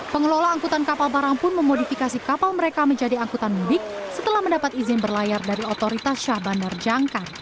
pengelola angkutan kapal barang pun memodifikasi kapal mereka menjadi angkutan mudik setelah mendapat izin berlayar dari otoritas syah bandar jangkar